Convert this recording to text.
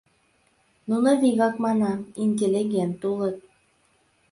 Нуно, вигак манам, интеллигент улыт.